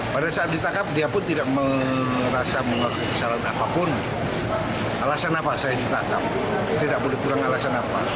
pada saat ditangkap dia pun tidak merasa mengeluarkan kesalahan apapun alasan apa saya ditangkap tidak boleh kurang alasan apa